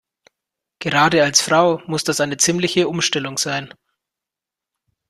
Gerade als Frau muss das eine ziemliche Umstellung sein.